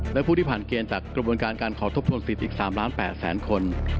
และผู้ที่ผ่านเกณฑ์จากกระบวนการการขอทบทวนสิทธิ์อีก๓ล้าน๘แสนคน